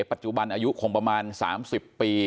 ปัจจุบันอายุคงประมาณ๓๐ปี